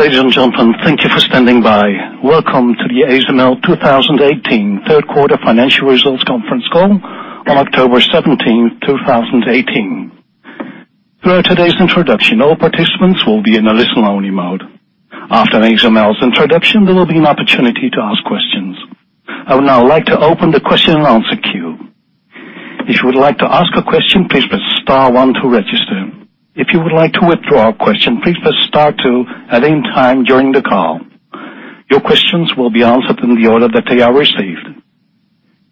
Ladies and gentlemen, thank you for standing by. Welcome to the ASML 2018 third quarter financial results conference call on October 17, 2018. Throughout today's introduction, all participants will be in a listen-only mode. After ASML's introduction, there will be an opportunity to ask questions. I would now like to open the question and answer queue. If you would like to ask a question, please press star one to register. If you would like to withdraw a question, please press star two at any time during the call. Your questions will be answered in the order that they are received.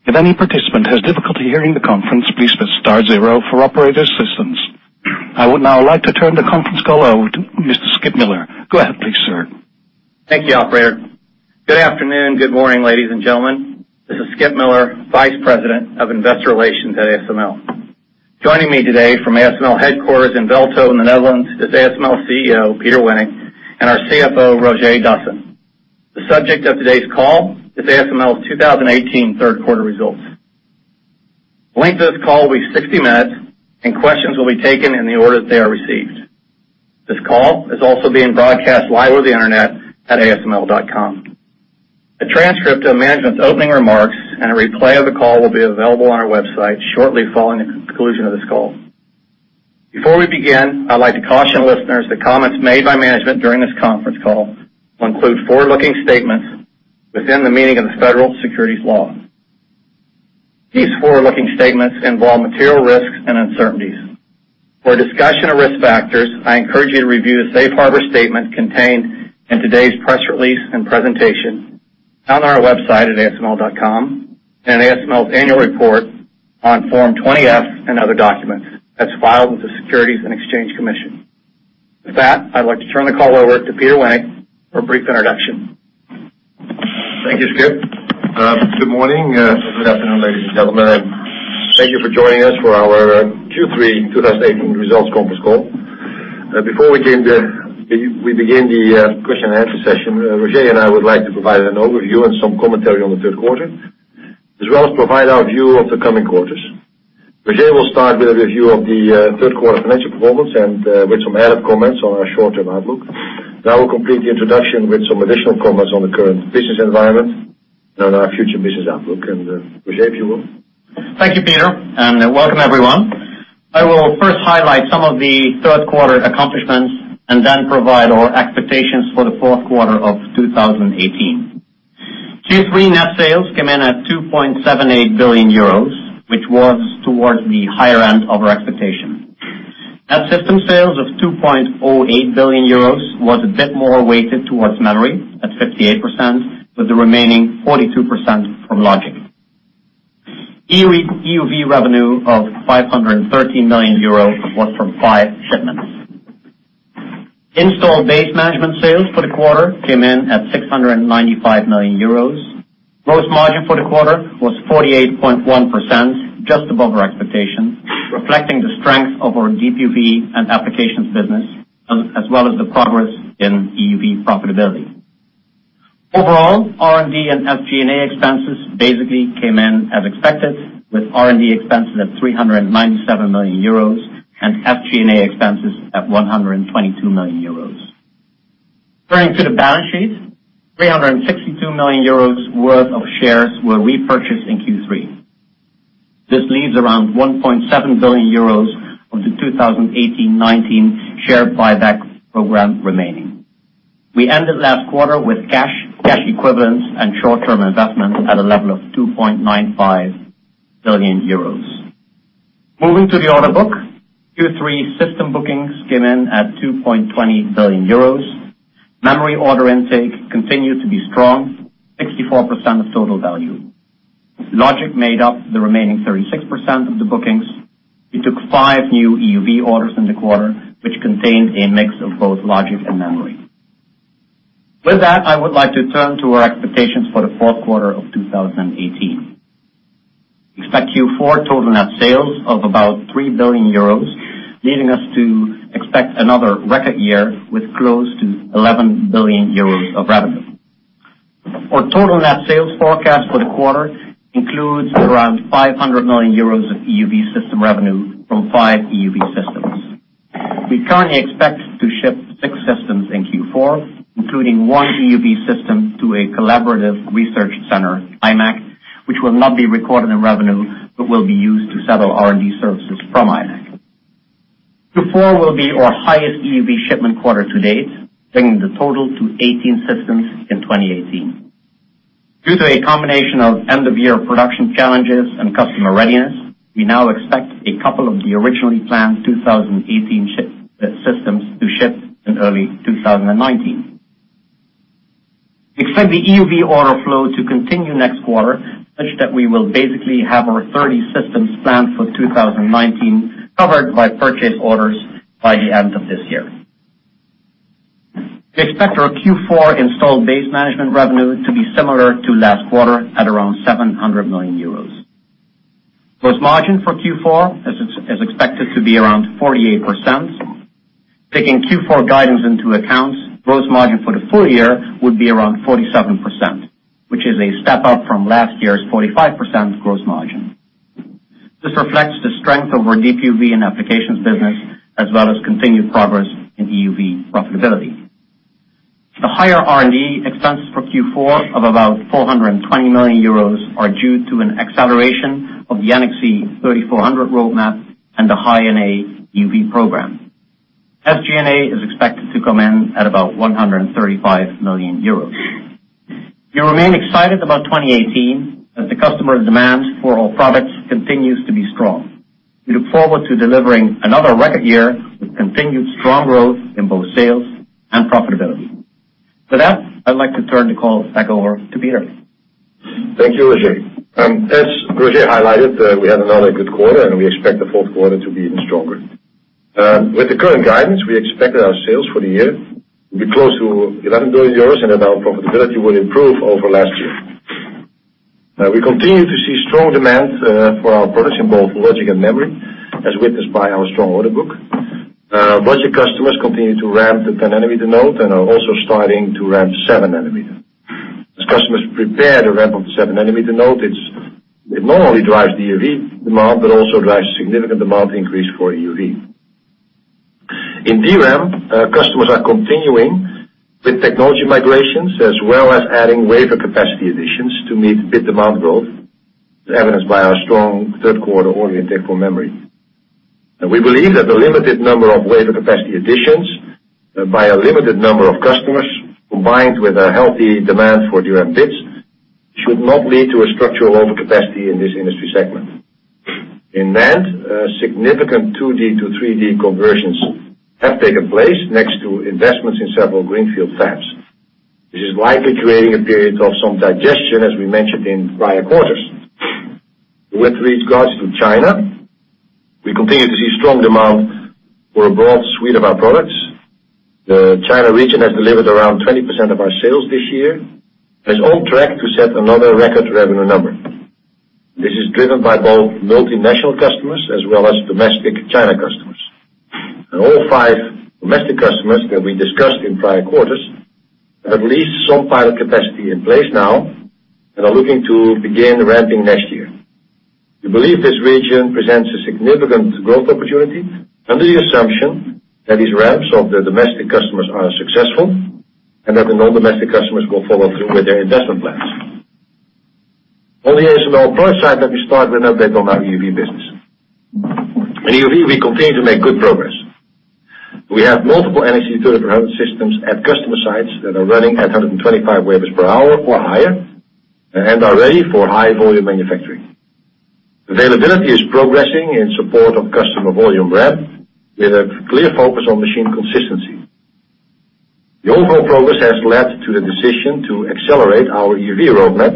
If any participant has difficulty hearing the conference, please press star zero for operator assistance. I would now like to turn the conference call over to Mr. Skip Miller. Go ahead, please, sir. Thank you, operator. Good afternoon, good morning, ladies and gentlemen. This is Skip Miller, vice president of investor relations at ASML. Joining me today from ASML headquarters in Veldhoven, the Netherlands, is ASML CEO, Peter Wennink, and our CFO, Roger Dassen. The subject of today's call is ASML's 2018 third quarter results. The length of this call will be 60 minutes, and questions will be taken in the order they are received. This call is also being broadcast live over the internet at asml.com. A transcript of management's opening remarks and a replay of the call will be available on our website shortly following the conclusion of this call. Before we begin, I'd like to caution listeners that comments made by management during this conference call will include forward-looking statements within the meaning of the federal securities laws. For a discussion of risk factors, I encourage you to review the safe harbor statement contained in today's press release and presentation on our website at asml.com, and ASML's annual report on Form 20-F and other documents that is filed with the Securities and Exchange Commission. With that, I'd like to turn the call over to Peter Wennink for a brief introduction. Thank you, Skip. Good morning, good afternoon, ladies and gentlemen, and thank you for joining us for our Q3 2018 results conference call. Before we begin the question and answer session, Roger and I would like to provide an overview and some commentary on the third quarter, as well as provide our view of the coming quarters. Roger will start with a review of the third quarter financial performance and with some added comments on our short-term outlook. Then I will complete the introduction with some additional comments on the current business environment and our future business outlook. Roger, if you will. Thank you, Peter, and welcome everyone. I will first highlight some of the third quarter accomplishments and then provide our expectations for the fourth quarter of 2018. Q3 net sales came in at 2.78 billion euros, which was towards the higher end of our expectation. Net system sales of 2.08 billion euros was a bit more weighted towards memory at 58%, with the remaining 42% from logic. EUV revenue of 513 million euros was from five shipments. Installed base management sales for the quarter came in at 695 million euros. Gross margin for the quarter was 48.1%, just above our expectations, reflecting the strength of our DUV and applications business, as well as the progress in EUV profitability. Overall, R&D and SG&A expenses basically came in as expected, with R&D expenses at 397 million euros and SG&A expenses at 122 million euros. Turning to the balance sheet, 362 million euros worth of shares were repurchased in Q3. This leaves around 1.7 billion euros of the 2018-19 share buyback program remaining. We ended last quarter with cash equivalents, and short-term investments at a level of 2.95 billion euros. Moving to the order book, Q3 system bookings came in at 2.20 billion euros. Memory order intake continued to be strong, 64% of total value. Logic made up the remaining 36% of the bookings. We took five new EUV orders in the quarter, which contained a mix of both logic and memory. With that, I would like to turn to our expectations for the fourth quarter of 2018. Expect Q4 total net sales of about 3 billion euros, leading us to expect another record year with close to 11 billion euros of revenue. Our total net sales forecast for the quarter includes around 500 million euros of EUV system revenue from five EUV systems. We currently expect to ship six systems in Q4, including one EUV system to a collaborative research center, imec, which will not be recorded in revenue but will be used to settle R&D services from imec. Q4 will be our highest EUV shipment quarter to date, bringing the total to 18 systems in 2018. Due to a combination of end-of-year production challenges and customer readiness, we now expect a couple of the originally planned 2018 systems to ship in early 2019. We expect the EUV order flow to continue next quarter, such that we will basically have our 30 systems planned for 2019 covered by purchase orders by the end of this year. We expect our Q4 installed base management revenue to be similar to last quarter, at around 700 million euros. Gross margin for Q4 is expected to be around 48%. Taking Q4 guidance into account, gross margin for the full year would be around 47%, which is a step up from last year's 45% gross margin. This reflects the strength of our DUV and applications business, as well as continued progress in EUV profitability. The higher R&D expense for Q4 of about 420 million euros are due to an acceleration of the NXE 3400 roadmap and the High-NA EUV program. SG&A is expected to come in at about 135 million euros. We remain excited about 2018, as the customer demand for our products continues to be strong. We look forward to delivering another record year with continued strong growth in both sales and profitability. With that, I'd like to turn the call back over to Peter. Thank you, Roger. As Roger highlighted, we had another good quarter. We expect the fourth quarter to be even stronger. With the current guidance, we expect that our sales for the year will be close to 11 billion euros, and that our profitability will improve over last year. We continue to see strong demand for our products in both Logic and memory, as witnessed by our strong order book. Logic customers continue to ramp the 10 nanometer node and are also starting to ramp 7 nanometer. As customers prepare to ramp up the 7 nanometer node, it not only drives DUV demand but also drives significant demand increase for EUV. In DRAM, customers are continuing with technology migrations, as well as adding wafer capacity additions to meet bit demand growth, as evidenced by our strong third quarter order intake for memory. We believe that the limited number of wafer capacity additions by a limited number of customers, combined with a healthy demand for DRAM bits, should not lead to a structural overcapacity in this industry segment. In NAND, significant 2D to 3D conversions have taken place next to investments in several greenfield fabs. This is likely creating a period of some digestion, as we mentioned in prior quarters. With regards to China, we continue to see strong demand for a broad suite of our products. The China region has delivered around 20% of our sales this year and is on track to set another record revenue number. This is driven by both multinational customers as well as domestic China customers. All five domestic customers that we discussed in prior quarters have at least some pilot capacity in place now and are looking to begin ramping next year. We believe this region presents a significant growth opportunity under the assumption that these ramps of the domestic customers are successful and that the non-domestic customers will follow through with their investment plans. On the ASML product side, let me start with an update on our EUV business. In EUV, we continue to make good progress. We have multiple NXE:3300 systems at customer sites that are running at 125 wafers per hour or higher and are ready for high-volume manufacturing. Availability is progressing in support of customer volume ramp, with a clear focus on machine consistency. The overall progress has led to the decision to accelerate our EUV roadmap.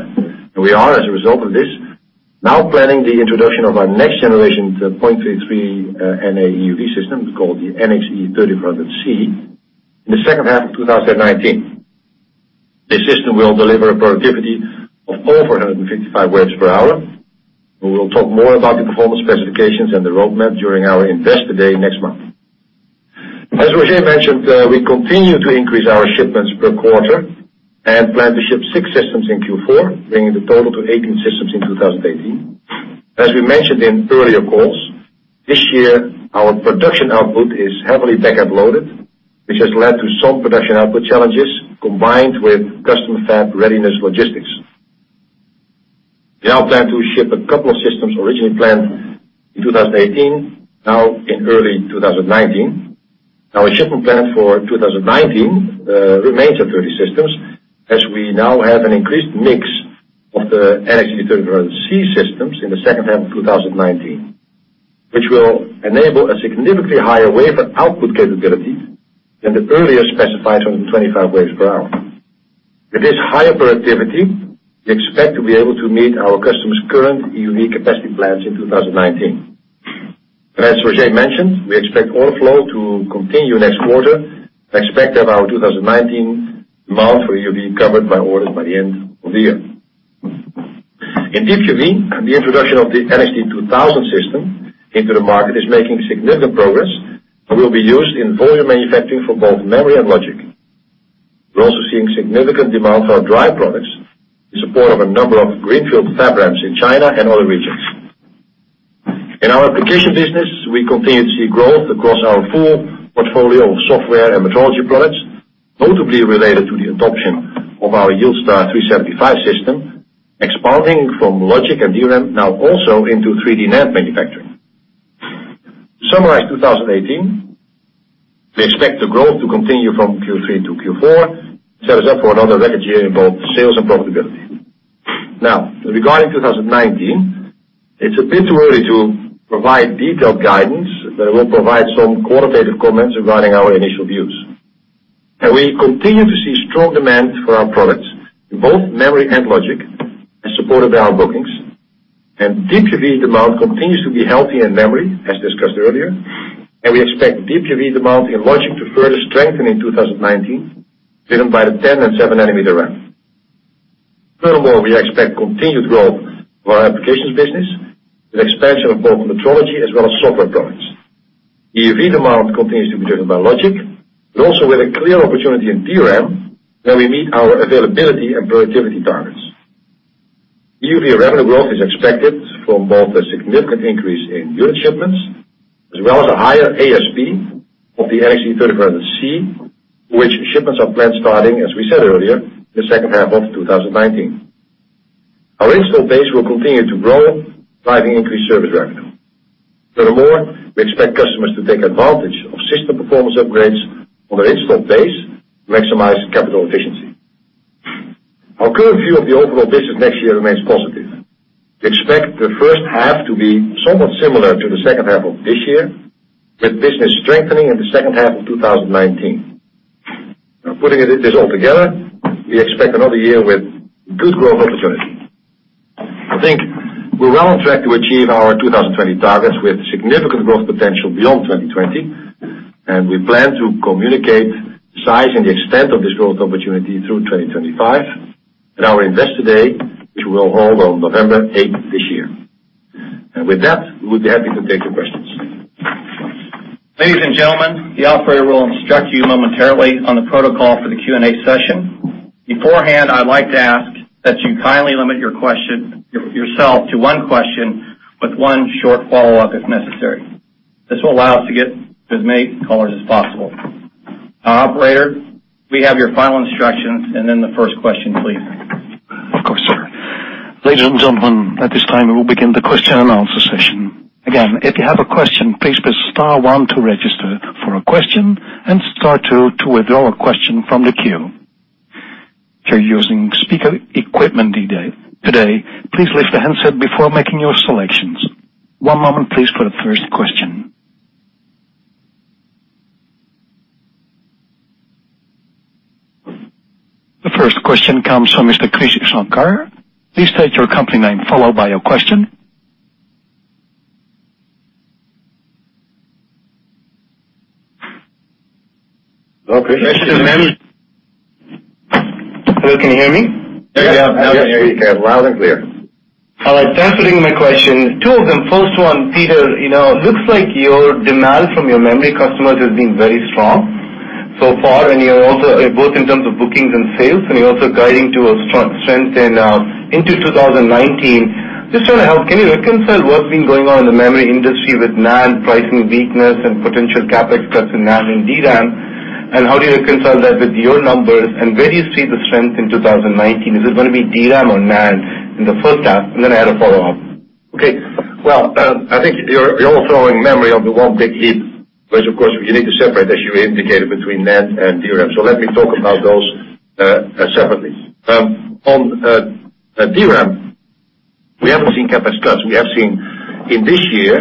We are, as a result of this, now planning the introduction of our next generation 0.33 NA EUV system, called the NXE:3400C, in the second half of 2019. This system will deliver a productivity of over 155 wafers per hour. We will talk more about the performance specifications and the roadmap during our investor day next month. As Roger mentioned, we continue to increase our shipments per quarter and plan to ship six systems in Q4, bringing the total to 18 systems in 2018. As we mentioned in earlier calls, this year, our production output is heavily back-up loaded, which has led to some production output challenges, combined with customer fab readiness logistics. We now plan to ship a couple of systems originally planned in 2018, now in early 2019. Our shipment plan for 2019 remains at 30 systems, as we now have an increased mix of the NXE:3400C systems in the second half of 2019, which will enable a significantly higher wafer output capability than the earlier specified 125 wafers per hour. With this higher productivity, we expect to be able to meet our customers' current EUV capacity plans in 2019. As Roger mentioned, we expect order flow to continue next quarter and expect that our 2019 amount for EUV covered by orders by the end of the year. In DUV, the introduction of the NXT:2000 system into the market is making significant progress and will be used in volume manufacturing for both memory and logic. We're also seeing significant demand for our dry products in support of a number of greenfield fab ramps in China and other regions. In our application business, we continue to see growth across our full portfolio of software and metrology products, notably related to the adoption of our YieldStar 375 system, expanding from logic and DRAM now also into 3D NAND manufacturing. To summarize 2018, we expect the growth to continue from Q3 to Q4, set us up for another record year in both sales and profitability. Regarding 2019, it's a bit too early to provide detailed guidance, but I will provide some qualitative comments regarding our initial views. We continue to see strong demand for our products in both memory and logic, as supported by our bookings. DUV demand continues to be healthy in memory, as discussed earlier, and we expect DUV demand in logic to further strengthen in 2019, driven by the 10- and 7-nanometer ramps. Furthermore, we expect continued growth for our applications business with expansion of both metrology as well as software products. EUV demand continues to be driven by logic, but also with a clear opportunity in DRAM where we meet our availability and productivity targets. EUV revenue growth is expected from both a significant increase in unit shipments as well as a higher ASP of the NXE:3400C, which shipments are planned starting, as we said earlier, the second half of 2019. Our install base will continue to grow, driving increased service revenue. Furthermore, we expect customers to take advantage of system performance upgrades on their install base to maximize capital efficiency. Our current view of the overall business next year remains positive. We expect the first half to be somewhat similar to the second half of this year, with business strengthening in the second half of 2019. Putting this all together, we expect another year with good growth opportunities. I think we're well on track to achieve our 2020 targets with significant growth potential beyond 2020, and we plan to communicate the size and the extent of this growth opportunity through 2025 at our Investor Day, which we'll hold on November 8th this year. With that, we would be happy to take your questions. Ladies and gentlemen, the operator will instruct you momentarily on the protocol for the Q&A session. Beforehand, I'd like to ask that you kindly limit yourself to one question with one short follow-up if necessary. This will allow us to get as many callers as possible. Operator, may we have your final instructions and then the first question, please? Of course, sir. Ladies and gentlemen, at this time, we will begin the question and answer session. Again, if you have a question, please press star one to register for a question and star two to withdraw a question from the queue. If you're using speaker equipment today, please lift the handset before making your selections. One moment please for the first question. The first question comes from Mr. Krish Sankar. Please state your company name followed by your question. Go, Krish. Hello. Can you hear me? Yes, we can. Loud and clear. All right. Thanks for taking my question, two of them. First one, Peter, it looks like your demand from your memory customers has been very strong so far, both in terms of bookings and sales, and you're also guiding to a strength into 2019. Just sort of help, can you reconcile what's been going on in the memory industry with NAND pricing weakness and potential CapEx cuts in NAND and DRAM, and how do you reconcile that with your numbers, and where do you see the strength in 2019? Is it going to be DRAM or NAND in the first half? I had a follow-up. Okay. Well, I think you're all throwing memory on the one big heap, whereas, of course, you need to separate, as you indicated, between NAND and DRAM. Let me talk about those separately. On DRAM, we haven't seen CapEx cuts. We have seen, in this year,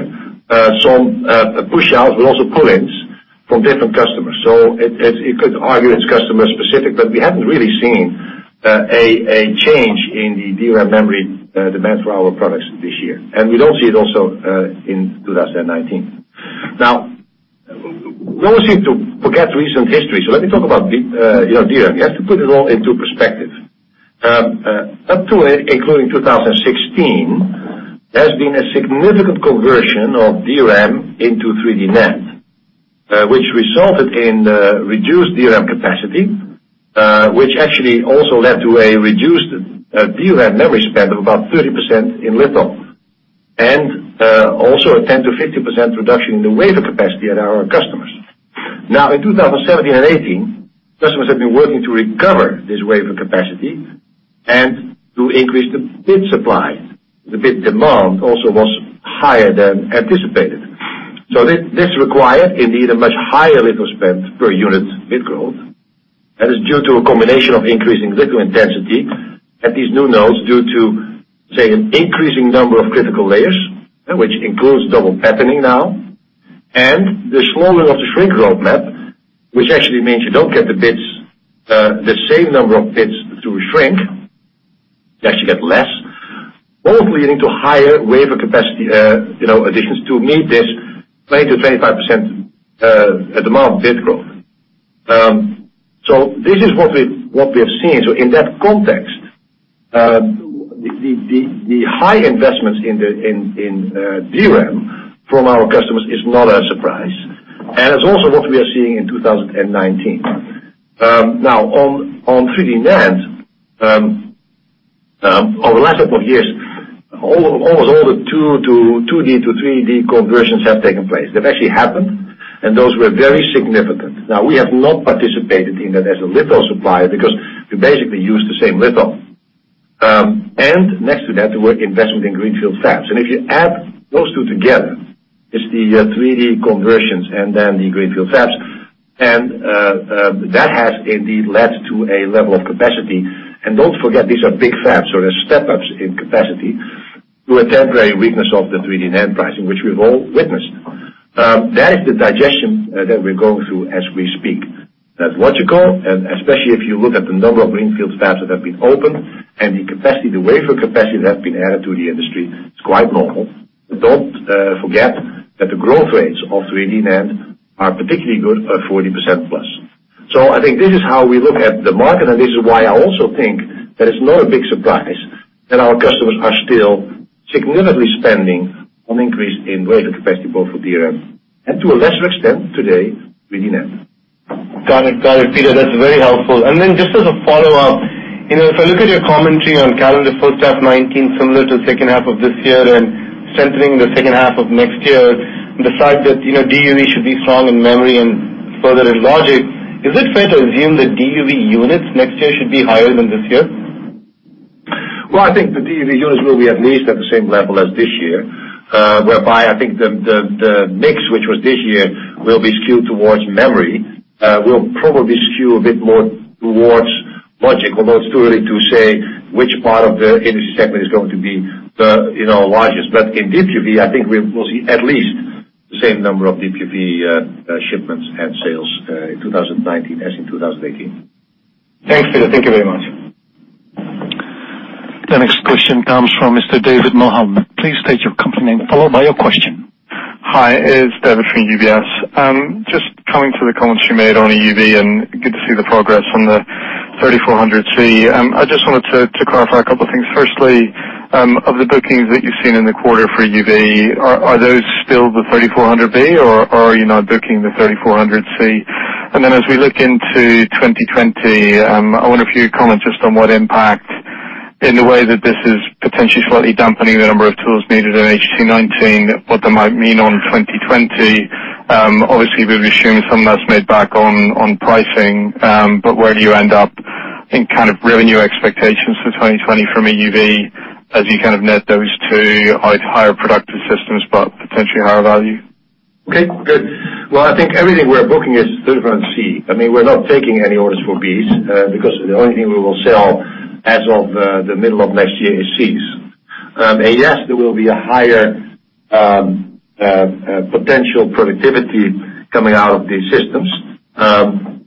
some push-outs but also pull-ins from different customers. You could argue it's customer specific, but we haven't really seen a change in the DRAM memory demand for our products this year. We don't see it also in 2019. Now, we always seem to forget recent history, let me talk about DRAM. You have to put it all into perspective. Up to and including 2016, there's been a significant conversion of DRAM into 3D NAND, which resulted in reduced DRAM capacity, which actually also led to a reduced DRAM memory spend of about 30% in litho and also a 10%-15% reduction in the wafer capacity at our customers. Now, in 2017 and 2018, customers have been working to recover this wafer capacity and to increase the bit supply. The bit demand also was higher than anticipated. This required, indeed, a much higher litho spend per unit bit growth. That is due to a combination of increasing litho intensity at these new nodes due to, say, an increasing number of critical layers, which includes double patterning now, and the slowing of the shrink roadmap, which actually means you don't get the same number of bits through shrink. You actually get less, both leading to higher wafer capacity additions to meet this 20%-25% demand bit growth. This is what we're seeing. In that context, the high investments in DRAM from our customers is not a surprise, and it's also what we are seeing in 2019. Now, on 3D NAND, over the last couple of years, almost all the 2D to 3D conversions have taken place. They've actually happened, and those were very significant. Now, we have not participated in that as a litho supplier because we basically use the same litho. Next to that, there were investments in greenfield fabs. If you add those two together, it's the 3D conversions and then the greenfield fabs, and that has indeed led to a level of capacity. Don't forget, these are big fabs, so there's step-ups in capacity to a temporary weakness of the 3D NAND pricing, which we've all witnessed. That is the digestion that we're going through as we speak. That's logical, especially if you look at the number of greenfield fabs that have been opened and the wafer capacity that have been added to the industry. It's quite normal. Don't forget that the growth rates of 3D NAND are particularly good at 40%+. I think this is how we look at the market, and this is why I also think that it's not a big surprise that our customers are still significantly spending on increase in wafer capacity both for DRAM and to a lesser extent today, we need them. Got it, Peter. That's very helpful. Just as a follow-up, if I look at your commentary on calendar first half 2019 similar to second half of this year and centering the second half of next year, the fact that DUV should be strong in memory and further in logic, is it fair to assume that DUV units next year should be higher than this year? Well, I think the DUV units will be at least at the same level as this year, whereby I think the mix which was this year will be skewed towards memory, will probably skew a bit more towards logic, although it's too early to say which part of the industry segment is going to be the largest. In DUV, I think we will see at least the same number of DUV shipments and sales in 2019 as in 2018. Thanks, Peter. Thank you very much. The next question comes from Mr. David Mulholland. Please state your company name, followed by your question. Hi, it's David from UBS. Just coming to the comments you made on EUV and good to see the progress on the 3400C. I just wanted to clarify a couple of things. Firstly, of the bookings that you've seen in the quarter for EUV, are those still the 3400B or are you now booking the 3400C? Then as we look into 2020, I wonder if you comment just on what impact in the way that this is potentially slightly dampening the number of tools needed in H1 2019, what that might mean on 2020. Obviously, we've assumed some of that's made back on pricing. Where do you end up in kind of revenue expectations for 2020 from EUV as you kind of net those two, higher productive systems, but potentially higher value? Okay, good. Well, I think everything we're booking is 3400C. We're not taking any orders for Bs, because the only thing we will sell as of the middle of next year is Cs. Yes, there will be a higher potential productivity coming out of these systems,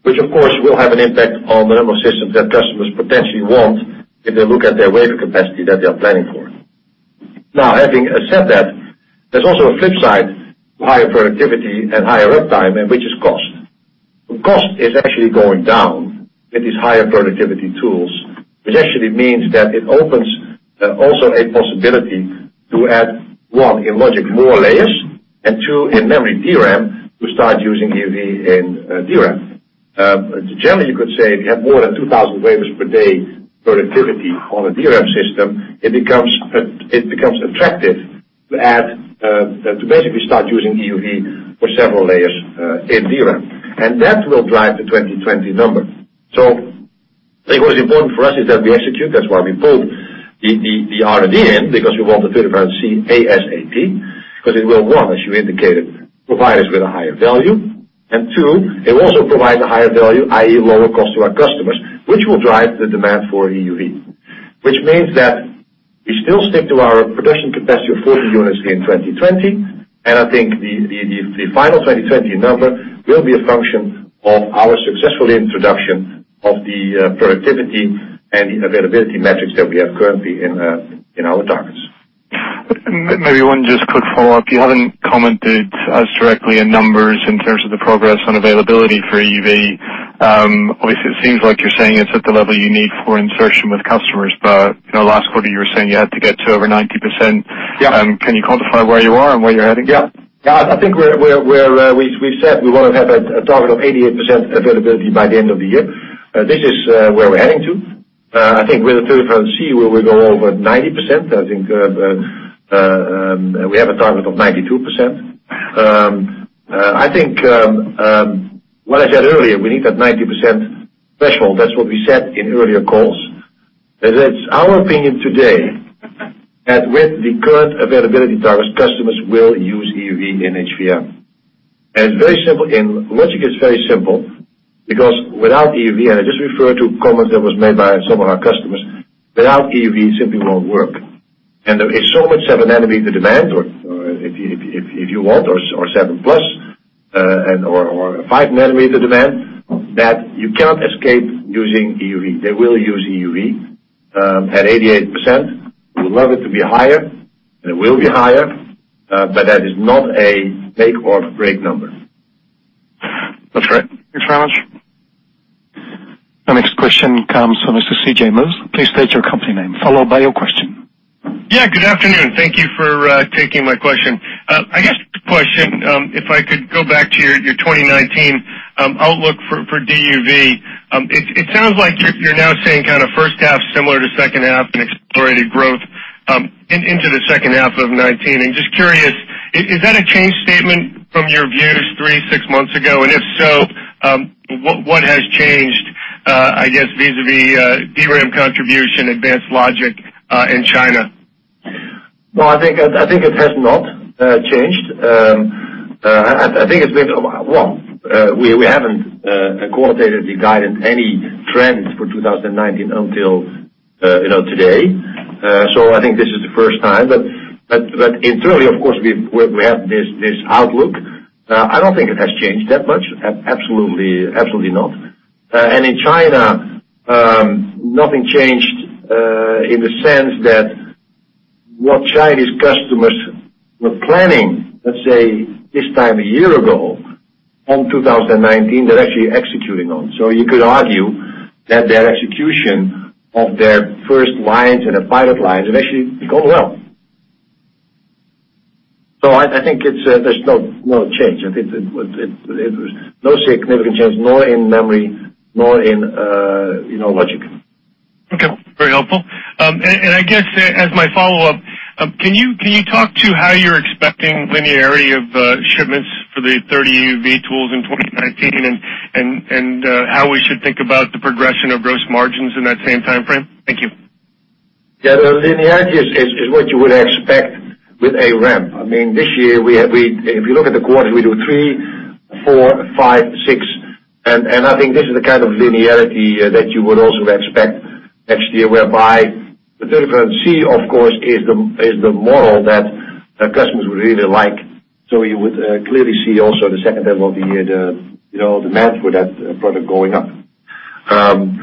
which of course will have an impact on the number of systems that customers potentially want if they look at their wafer capacity that they are planning for. Now, having said that, there's also a flip side to higher productivity and higher uptime, and which is cost. The cost is actually going down with these higher productivity tools, which actually means that it opens also a possibility to add, one, in logic more layers, and two, in memory DRAM, we start using EUV in DRAM. Generally, you could say if you have more than 2,000 wafers per day productivity on a DRAM system, it becomes attractive to basically start using EUV for several layers in DRAM. That will drive the 2020 number. I think what is important for us is that we execute. That's why we pulled the R&D in, because we want the 3400C ASAP, because it will, one, as you indicated, provide us with a higher value. Two, it will also provide a higher value, i.e., lower cost to our customers, which will drive the demand for EUV. Which means that we still stick to our production capacity of 40 units in 2020. I think the final 2020 number will be a function of our successful introduction of the productivity and the availability metrics that we have currently in our targets. Maybe one just quick follow-up. You haven't commented as directly in numbers in terms of the progress on availability for EUV. Obviously, it seems like you're saying it's at the level you need for insertion with customers. Last quarter you were saying you had to get to over 90%. Yeah. Can you quantify where you are and where you're heading? Yeah. I think we've said we want to have a target of 88% availability by the end of the year. This is where we're heading to. I think with the 3400C, where we go over 90%, I think we have a target of 92%. I think what I said earlier, we need that 90% threshold. That's what we said in earlier calls. That it's our opinion today that with the current availability targets, customers will use EUV in HVM. Logic is very simple because without EUV, and I just refer to comments that was made by some of our customers, without EUV simply won't work. There is so much seven nanometer demand or if you want, or seven-plus, or five nanometer demand, that you cannot escape using EUV. They will use EUV at 88%. We would love it to be higher, and it will be higher, but that is not a make or break number. That's great. Thanks very much. Our next question comes from Mr. C.J. Muse. Please state your company name, followed by your question. Yeah, good afternoon. Thank you for taking my question. I guess the question, if I could go back to your 2019 outlook for DUV. It sounds like you're now saying kind of first half similar to second half in explorative growth into the second half of 2019. Just curious, is that a changed statement from your views three, six months ago? If so, what has changed, I guess vis-a-vis DRAM contribution, advanced logic in China? I think it has not changed. We haven't qualitatively guided any trends for 2019 until today. I think this is the first time. In truly, of course, we have this outlook. I don't think it has changed that much. Absolutely not. In China, nothing changed in the sense that what Chinese customers were planning, let's say, this time a year ago On 2019, they're actually executing on. You could argue that their execution of their first lines and the pilot lines have actually gone well. I think there's no change. I think there was no significant change, nor in memory, nor in logic. Very helpful. I guess, as my follow-up, can you talk to how you're expecting linearity of shipments for the 30 EUV tools in 2019, and how we should think about the progression of gross margins in that same timeframe? Thank you. Linearity is what you would expect with a ramp. This year, if you look at the quarter, we do three, four, five, six. I think this is the kind of linearity that you would also expect next year, whereby 3400C, of course, is the model that customers would really like. You would clearly see also the second level of the year, the math for that product going up. On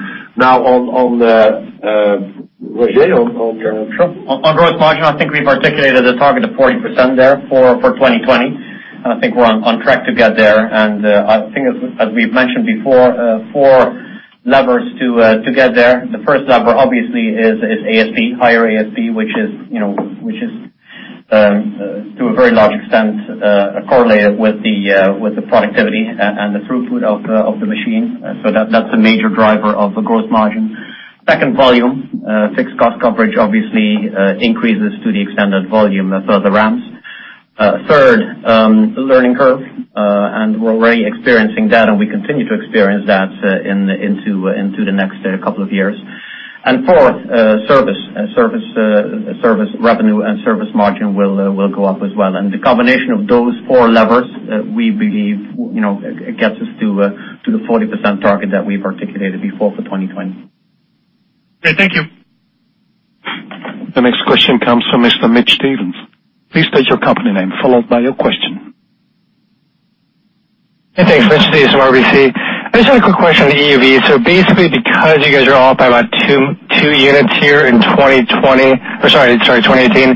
Roger, on your On gross margin, I think we've articulated the target of 40% there for 2020. I think we're on track to get there. I think as we've mentioned before, four levers to get there. The first lever obviously is higher ASP, which is to a very large extent, correlated with the productivity and the throughput of the machine. That's a major driver of the gross margin. Second volume. Fixed cost coverage obviously increases to the extended volume for the ramps. Third, learning curve. We're already experiencing that, and we continue to experience that into the next couple of years. Fourth, service. Service revenue and service margin will go up as well. The combination of those four levers, we believe, gets us to the 40% target that we've articulated before for 2020. Okay. Thank you. The next question comes from Mr. Mitch Steves. Please state your company name, followed by your question. Hey, thanks. Mitch Steves from RBC. I just had a quick question on EUV. Basically, because you guys are all up by about two units here in 2020, or sorry, 2018, you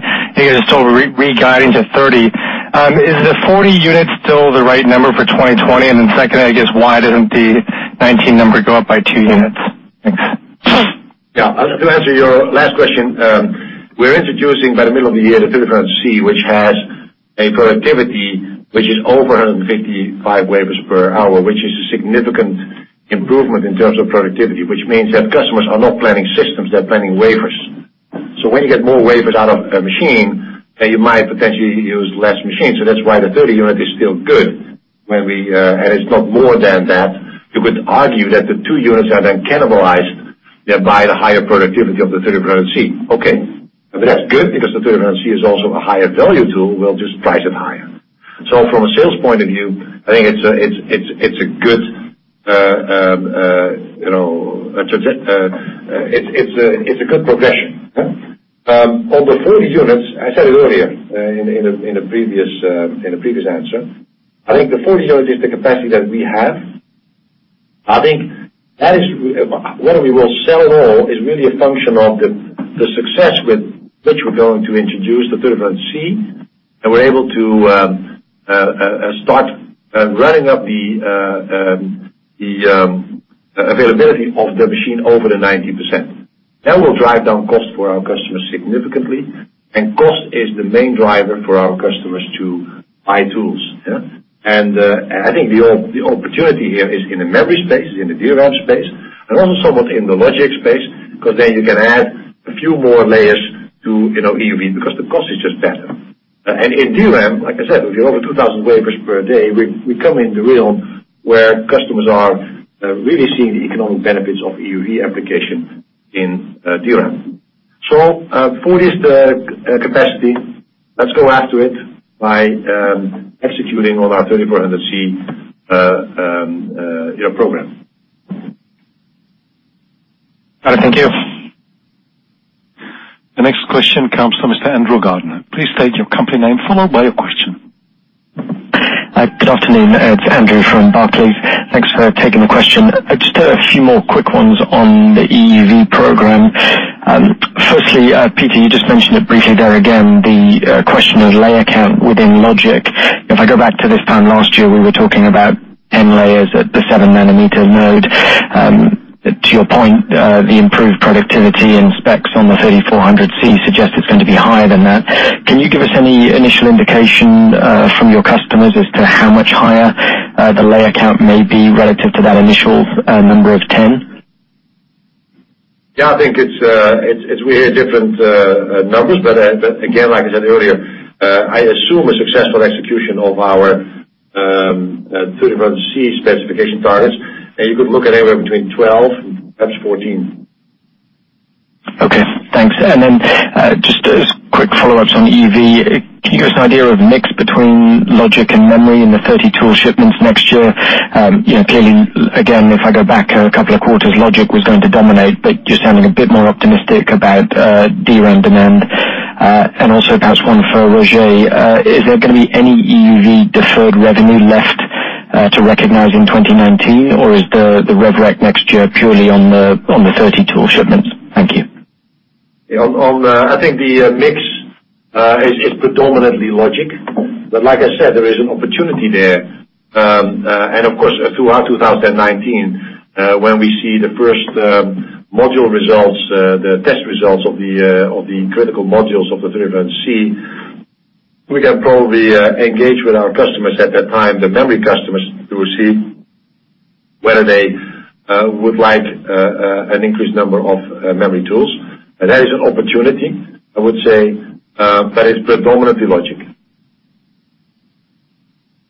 guys are still re-guiding to 30. Is the 40 units still the right number for 2020? Second, I guess, why doesn't the 2019 number go up by two units? Thanks. Yeah. To answer your last question, we're introducing by the middle of the year, the 3400 C, which has a productivity which is over 155 wafers per hour, which is a significant improvement in terms of productivity, which means that customers are not planning systems, they're planning wafers. When you get more wafers out of a machine, then you might potentially use less machines. That's why the 30 unit is still good, and it's not more than that. You could argue that the two units are then cannibalized by the higher productivity of the 3400 C. Okay. That's good because the 3400 C is also a higher value tool. We'll just price it higher. From a sales point of view, I think it's a good progression. On the 40 units, I said it earlier, in a previous answer. I think the 40 units is the capacity that we have. I think whether we will sell it all is really a function of the success with which we're going to introduce the 3400C, and we're able to start running up the availability of the machine over the 90%. That will drive down cost for our customers significantly. Cost is the main driver for our customers to buy tools. I think the opportunity here is in the memory space, in the DRAM space, and also somewhat in the logic space, because then you can add a few more layers to EUV because the cost is just better. In DRAM, like I said, if you're over 2,000 wafers per day, we come into a realm where customers are really seeing the economic benefits of EUV application in DRAM. 40 is the capacity. Let's go after it by executing on our 3400C program. All right. Thank you. The next question comes from Mr. Andrew Gardiner. Please state your company name, followed by your question. Hi. Good afternoon. It's Andrew from Barclays. Thanks for taking the question. I just had a few more quick ones on the EUV program. Firstly, Peter, you just mentioned it briefly there again, the question of layer count within Logic. If I go back to this time last year, we were talking about 10 layers at the seven nanometer node. To your point, the improved productivity in specs on the 3400C suggests it's going to be higher than that. Can you give us any initial indication from your customers as to how much higher the layer count may be relative to that initial number of 10? Yeah, I think we hear different numbers. Again, like I said earlier, I assume a successful execution of our 3400C specification targets, and you could look at anywhere between 12 and perhaps 14. Okay, thanks. Just quick follow-ups on EUV. Can you give us an idea of mix between Logic and Memory in the 30 tool shipments next year? Clearly, again, if I go back a couple of quarters, Logic was going to dominate, but you're sounding a bit more optimistic about DRAM demand. Also perhaps one for Roger. Is there going to be any EUV deferred revenue left to recognize in 2019? Or is the rev rec next year purely on the 30 tool shipments? Thank you. I think the mix is predominantly logic. Like I said, there is an opportunity there. Of course, throughout 2019, when we see the first module results, the test results of the critical modules of the 3400C, we can probably engage with our customers at that time, the memory customers, to see whether they would like an increased number of memory tools. That is an opportunity, I would say, but it's predominantly logic.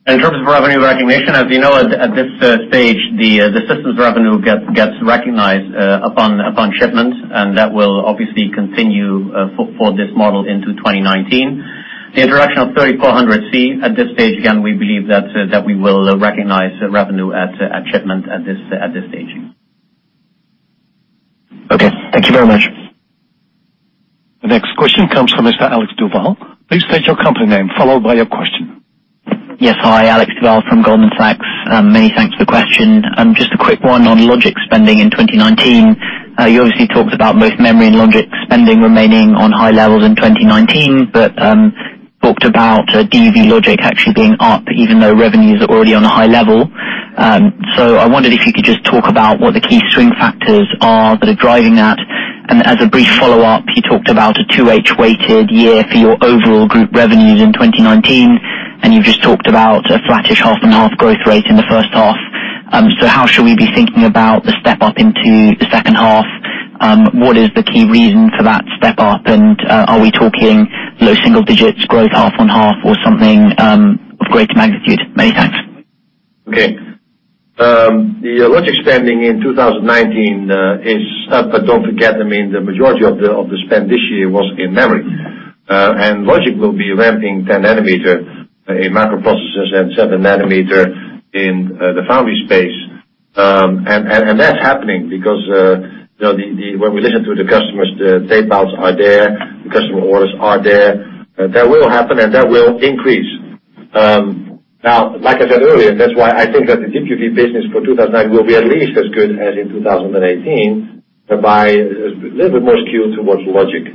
In terms of revenue recognition, as you know, at this stage, the systems revenue gets recognized upon shipment, and that will obviously continue for this model into 2019. The introduction of 3400C at this stage, again, we believe that we will recognize revenue at shipment at this stage. Okay. Thank you very much. The next question comes from Mr. Alexander Duval. Please state your company name, followed by your question. Yes. Hi, Alexander Duval from Goldman Sachs. Many thanks for the question. Just a quick one on logic spending in 2019. You obviously talked about both memory and logic spending remaining on high levels in 2019, but talked about DUV logic actually being up even though revenues are already on a high level. I wondered if you could just talk about what the key swing factors are that are driving that. As a brief follow-up, you talked about a 2H weighted year for your overall group revenues in 2019, and you've just talked about a flattish half-on-half growth rate in the first half. How should we be thinking about the step-up into the second half? What is the key reason for that step-up, and are we talking low single digits growth half-on-half or something of greater magnitude? Many thanks. Okay. The logic spending in 2019 is up, but don't forget, the majority of the spend this year was in memory. Logic will be ramping 10 nanometer in microprocessors and 7 nanometer in the foundry space. That's happening because when we listen to the customers, the tape outs are there, the customer orders are there. That will happen, and that will increase. Like I said earlier, that's why I think that the DUV business for 2019 will be at least as good as in 2018, but by a little bit more skewed towards logic.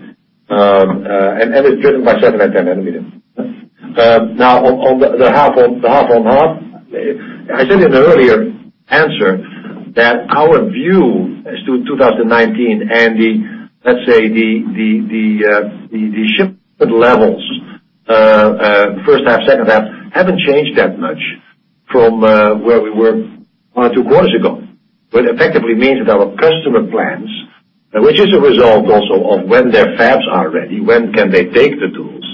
It's driven by 7 and 10 nanometer. On the half-on-half, I said in an earlier answer that our view as to 2019 and, let's say, the shipment levels first half, second half, haven't changed that much from where we were one or two quarters ago. What effectively means is our customer plans, which is a result also of when their fabs are ready, when can they take the tools,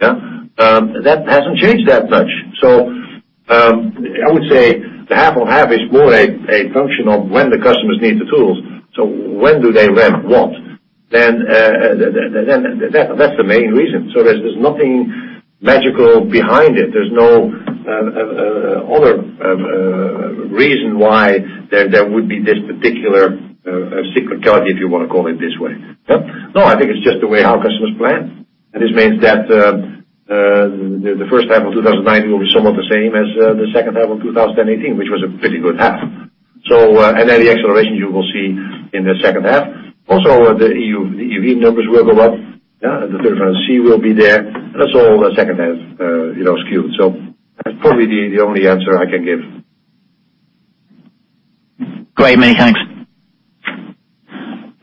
that hasn't changed that much. I would say the half-on-half is more a function of when the customers need the tools. When do they ramp what? That's the main reason. There's nothing magical behind it. There's no other reason why there would be this particular sacred cow, if you want to call it this way. I think it's just the way our customers plan. This means that the first half of 2019 will be somewhat the same as the second half of 2018, which was a pretty good half. The acceleration you will see in the second half. Also, the EUV numbers will go up. The 35C will be there. That's all the second half skewed. That's probably the only answer I can give. Great. Many thanks.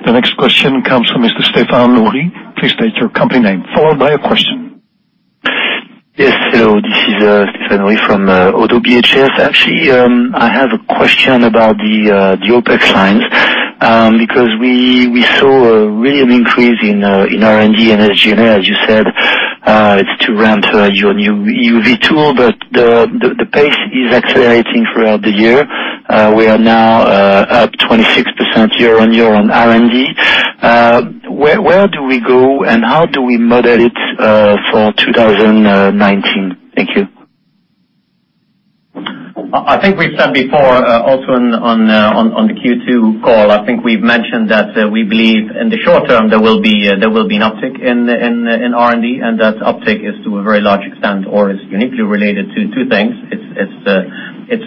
The next question comes from Mr. Stéphane Houri. Please state your company name, followed by your question. Yes, hello. This is Stéphane Houri from ODDO BHF. Actually, I have a question about the OpEx lines because we saw really an increase in R&D and SG&A. As you said, it's to ramp your new EUV tool, the pace is accelerating throughout the year. We are now up 26% year-on-year on R&D. Where do we go, and how do we model it for 2019? Thank you. I think we've said before, also on the Q2 call, I think we've mentioned that we believe in the short term, there will be an uptick in R&D, and that uptick is to a very large extent or is uniquely related to two things. It's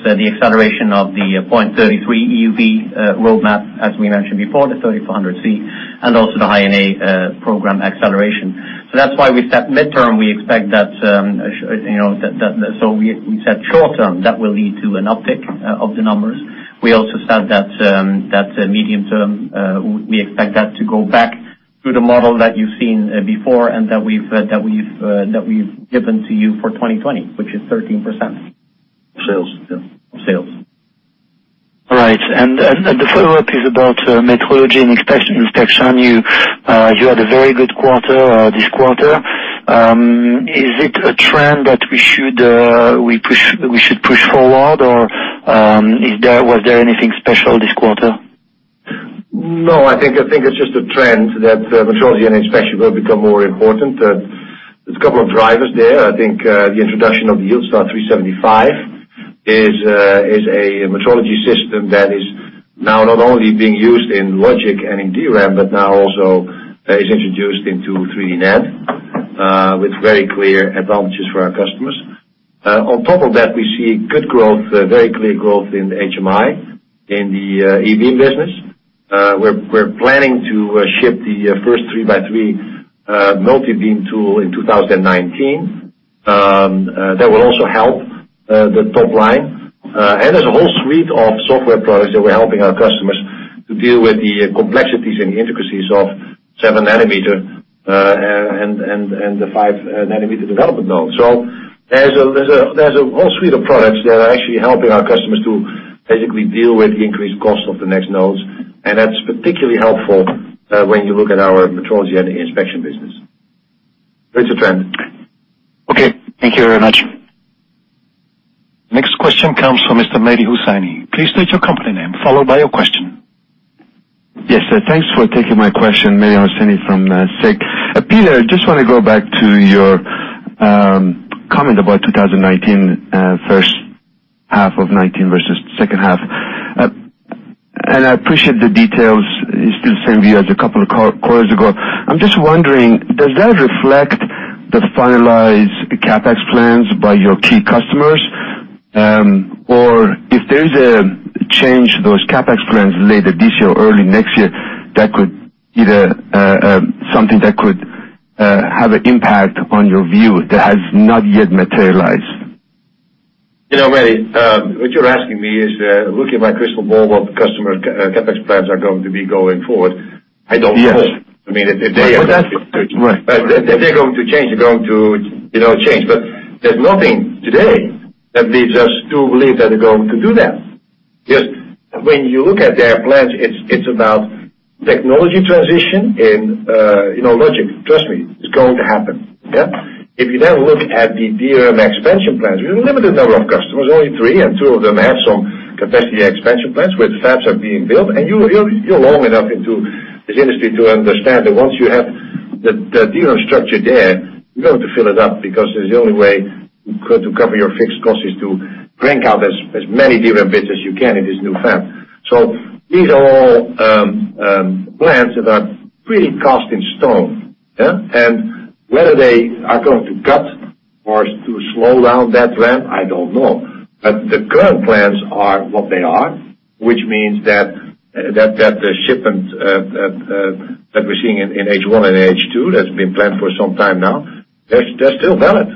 the acceleration of the point 33 EUV roadmap, as we mentioned before, the 3400C, and also the High-NA program acceleration. That's why we said midterm, we expect that. We said short term, that will lead to an uptick of the numbers. We also said that medium term, we expect that to go back to the model that you've seen before and that we've given to you for 2020, which is 13%. Sales. Yes, sales. The follow-up is about metrology and inspection. You had a very good quarter this quarter. Is it a trend that we should push forward, or was there anything special this quarter? No, I think it's just a trend that metrology and inspection will become more important. There's a couple of drivers there. I think the introduction of the YieldStar 375 is a metrology system that is now not only being used in Logic and in DRAM, but now also is introduced into 3D NAND with very clear advantages for our customers. On top of that, we see good growth, very clear growth in HMI, in the EUV business. We're planning to ship the first 3x3 multi-beam tool in 2019. That will also help the top line. There's a whole suite of software products that we're helping our customers to deal with the complexities and the intricacies of seven nanometer, and the five nanometer development nodes. There's a whole suite of products that are actually helping our customers to basically deal with the increased cost of the next nodes. That's particularly helpful, when you look at our metrology and inspection business. It's a trend. Okay. Thank you very much. Next question comes from Mr. Mehdi Hosseini. Please state your company name, followed by your question. Yes, sir. Thanks for taking my question, Mehdi Hosseini from Susquehanna. Peter, I just want to go back to your comment about 2019, first half of 2019 versus second half. I appreciate the details. It's still the same view as a couple of quarters ago. I'm just wondering, does that reflect the finalized CapEx plans by your key customers? Or if there's a change those CapEx plans later this year or early next year that could have an impact on your view that has not yet materialized. Mehdi, what you're asking me is, looking at my crystal ball, what customer CapEx plans are going to be going forward. I don't know. Yes. If they are going to- Right. If they're going to change, they're going to change. There's nothing today that leads us to believe that they're going to do that. Just when you look at their plans, it's about technology transition in logic. Trust me, it's going to happen. If you then look at the DRAM expansion plans, there's a limited number of customers, only three, and two of them have some capacity expansion plans where the fabs are being built. You're long enough into this industry to understand that once you have the DRAM structure there, you're going to fill it up because the only way to cover your fixed cost is to crank out as many DRAM bits as you can in this new fab. These are all plans that are pretty cast in stone. Whether they are going to cut or to slow down that plan, I don't know. The current plans are what they are, which means that the shipment that we're seeing in H1 and H2, that's been planned for some time now, they're still valid.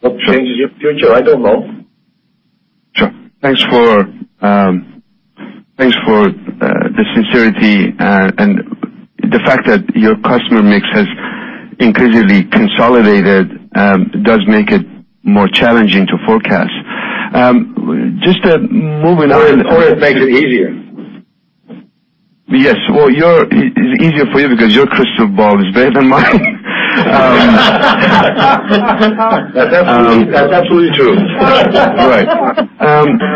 What changes in future? I don't know. Sure. Thanks for the sincerity. The fact that your customer mix has increasingly consolidated, does make it more challenging to forecast. It makes it easier. Yes. Well, it's easier for you because your crystal ball is better than mine. That's absolutely true. Right.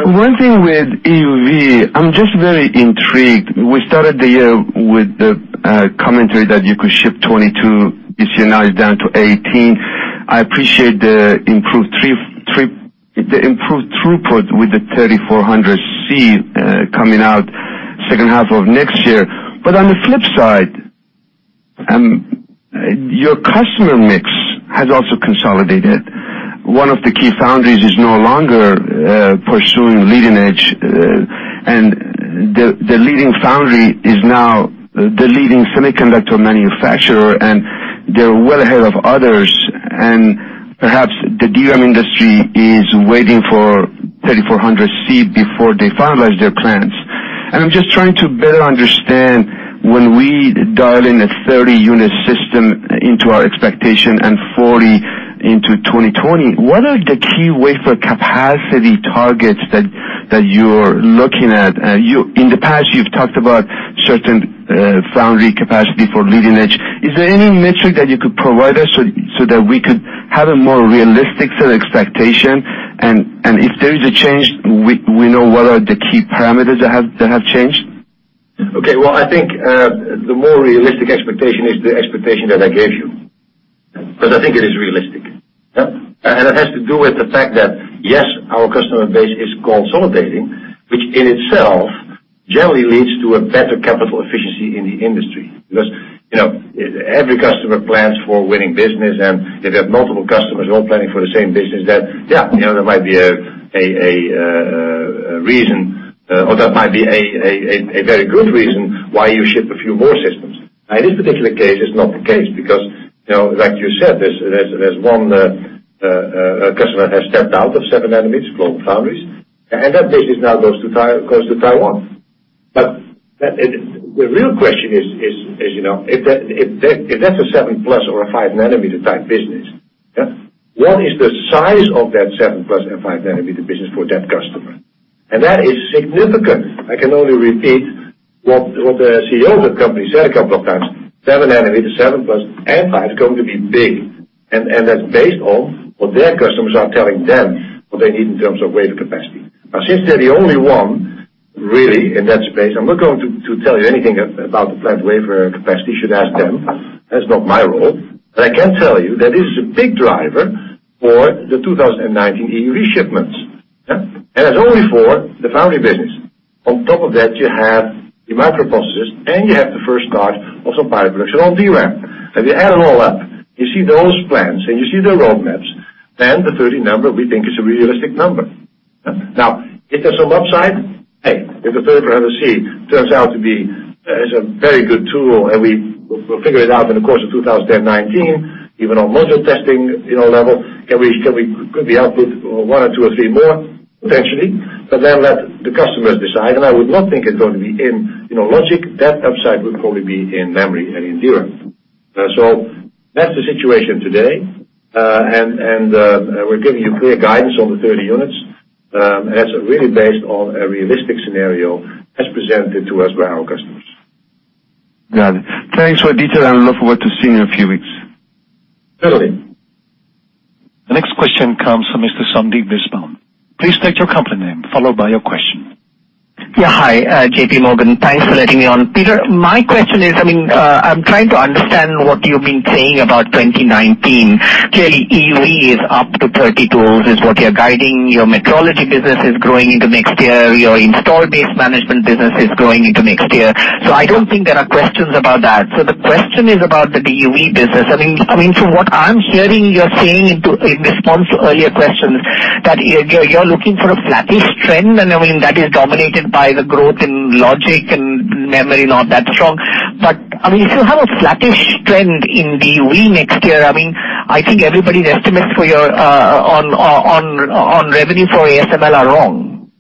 One thing with EUV, I'm just very intrigued. We started the year with the commentary that you could ship 22. You see now it's down to 18. I appreciate the improved throughput with the NXE:3400C coming out second half of next year. On the flip side, your customer mix has also consolidated. One of the key foundries is no longer pursuing leading edge, and the leading foundry is now the leading semiconductor manufacturer, and they're well ahead of others. Perhaps the DRAM industry is waiting for NXE:3400C before they finalize their plans. I'm just trying to better understand when we dial in a 30-unit system into our expectation and 40 into 2020, what are the key wafer capacity targets that you're looking at? In the past, you've talked about certain foundry capacity for leading edge. Is there any metric that you could provide us so that we could have a more realistic set of expectation? If there is a change, we know what are the key parameters that have changed? Okay. Well, I think, the more realistic expectation is the expectation that I gave you. I think it is realistic. It has to do with the fact that, yes, our customer base is consolidating, which in itself generally leads to a better capital efficiency in the industry. Every customer plans for winning business, and if they have multiple customers all planning for the same business, then that might be a reason, or that might be a very good reason why you ship a few more systems. In this particular case, it's not the case because, like you said, there's one customer has stepped out of 7 nanometers, GlobalFoundries, and that business now goes to Taiwan. The real question is, if that's a 7 plus or a 5-nanometer type business, what is the size of that 7 plus and 5-nanometer business for that customer? That is significant. I can only repeat what the CEO of that company said a couple of times. 7 nanometer, 7 plus and 5 is going to be big. That's based on what their customers are telling them, what they need in terms of wafer capacity. Since they're the only one really in that space, I'm not going to tell you anything about the planned wafer capacity. You should ask them. That's not my role. I can tell you that this is a big driver for the 2019 EUV shipments. That's only for the foundry business. On top of that, you have your micro processes, and you have the first start of some pilot production on DRAM. If you add it all up, you see those plans and you see the roadmaps, the 30 number we think is a realistic number. Is there some upside? Hey, if the third version C turns out to be a very good tool and we will figure it out in the course of 2019, even on module testing level, could we output one or two or three more? Potentially. Let the customers decide, and I would not think it's going to be in logic. That upside would probably be in memory and in DRAM. That's the situation today, and we're giving you clear guidance on the 30 units. That's really based on a realistic scenario as presented to us by our customers. Got it. Thanks for the detail, and I look forward to seeing you in a few weeks. Certainly. The next question comes from Mr. Sandeep Deshpande. Please state your company name, followed by your question. Yeah. Hi, JP Morgan. Thanks for letting me on. Peter, my question is, I'm trying to understand what you've been saying about 2019. Clearly, EUV is up to 30 tools, is what you're guiding. Your metrology business is growing into next year. Your install base management business is growing into next year. I don't think there are questions about that. The question is about the DUV business. From what I'm hearing you're saying in response to earlier questions, that you're looking for a flattish trend, and that is dominated by the growth in logic and memory, not that strong. If you have a flattish trend in DUV next year, I think everybody's estimates on revenue for ASML are wrong.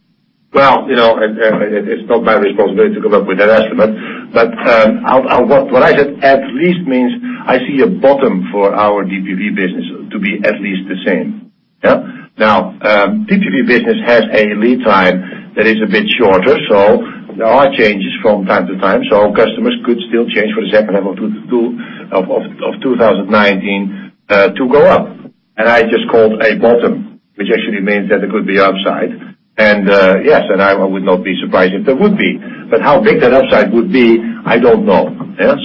Well, it's not my responsibility to come up with that estimate. What I said, at least means I see a bottom for our DUV business to be at least the same. Yeah? Now, DUV business has a lead time that is a bit shorter, there are changes from time to time. Customers could still change for the second level of 2019 to go up. I just called a bottom, which actually means that there could be upside. Yes, I would not be surprised if there would be. How big that upside would be, I don't know. Yeah?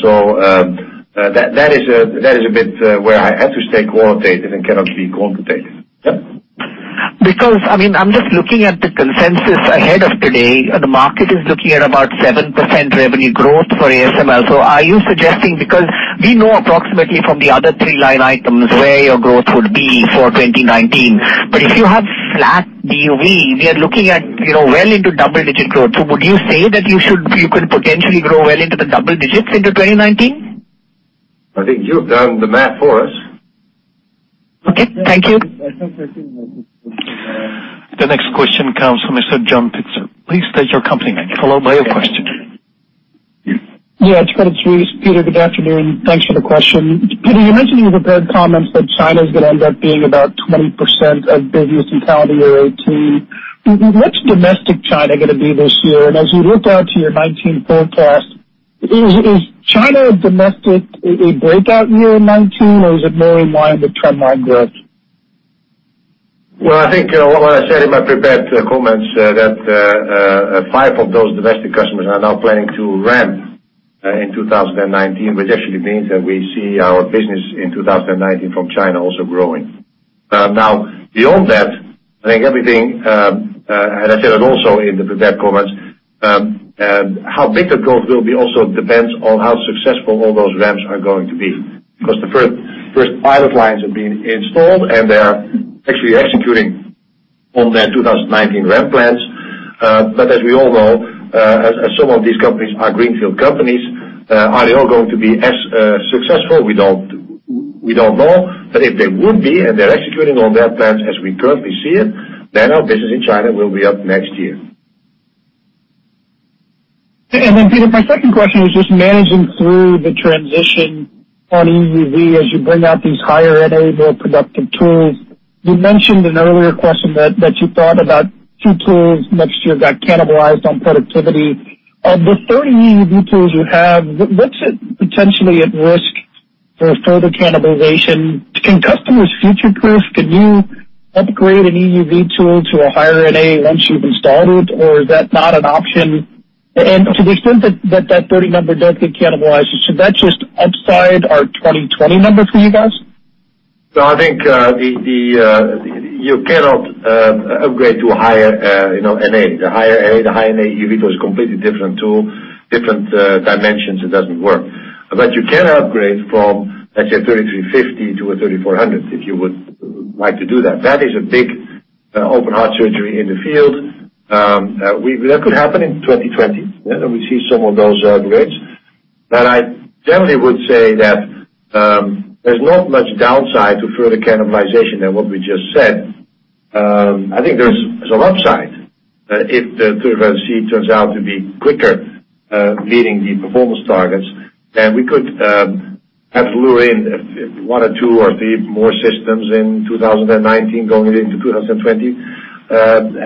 That is a bit where I have to stay qualitative and cannot be quantitative. Yeah. Because I'm just looking at the consensus ahead of today. The market is looking at about 7% revenue growth for ASML. Are you suggesting, because we know approximately from the other three line items where your growth would be for 2019. If you have flat DUV, we are looking at well into double-digit growth. Would you say that you could potentially grow well into the double digits into 2019? I think you've done the math for us. Okay. Thank you. The next question comes from Mr. John Pitzer. Please state your company name, followed by your question. Peter, good afternoon. Thanks for the question. Peter, you mentioned in your prepared comments that China's going to end up being about 20% of business in calendar year 2018. What's domestic China going to be this year? As you look out to your 2019 forecast, is China domestic a breakout year in 2019, or is it more in line with trend line growth? I think what I said in my prepared comments, that five of those domestic customers are now planning to ramp in 2019, which actually means that we see our business in 2019 from China also growing. Beyond that, I think everything, and I said it also in the prepared comments, how big the growth will be also depends on how successful all those ramps are going to be. The first pilot lines have been installed, and they're actually executing on their 2019 ramp plans. As we all know, as some of these companies are greenfield companies, are they all going to be as successful? We don't know. If they would be, and they're executing on their plans as we currently see it, our business in China will be up next year. Peter, my second question is just managing through the transition on EUV as you bring out these higher NA, more productive tools. You mentioned in an earlier question that you thought about two tools next year got cannibalized on productivity. Of the 30 EUV tools you have, what's potentially at risk for further cannibalization? Can customers future-proof? Can you upgrade an EUV tool to a higher NA once you've installed it, or is that not an option? To the extent that that 30 number doesn't get cannibalized, should that just upside our 2020 numbers for you guys? No, I think you cannot upgrade to a higher NA. The higher NA EUV tool is a completely different tool, different dimensions. It doesn't work. You can upgrade from, let's say, a NXE:3350B to a 3400, if you would like to do that. That is a big open heart surgery in the field. That could happen in 2020. Yeah? We see some of those upgrades. I generally would say that there's not much downside to further cannibalization than what we just said. I think there's an upside, if the third version C turns out to be quicker meeting the performance targets, then we could have to lure in one or two or three more systems in 2019 going into 2020,